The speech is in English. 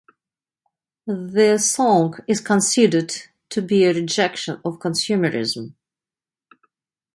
The song is considered to be a rejection of consumerism.